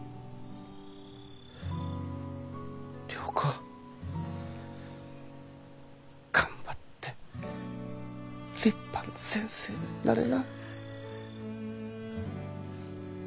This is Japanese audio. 良子頑張って立派な先生になれな。